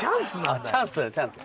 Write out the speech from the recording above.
あっチャンスだチャンス。